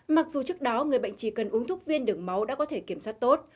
mặc dù trước đó người bệnh chỉ cần uống thuốc viên đường máu đã có thể kiểm soát tốt